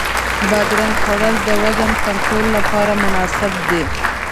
بادرنګ خوړل د وزن کنټرول لپاره مناسب دی.